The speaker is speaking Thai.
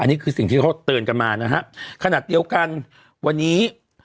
อันนี้คือสิ่งที่เขาเตือนกันมานะฮะขนาดเดียวกันวันนี้